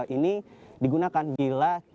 sepatu ini bisa kita gunakan untuk mengembangkan perahu